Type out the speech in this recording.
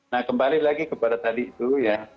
nah kembali lagi kepada tadi itu ya